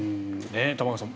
玉川さん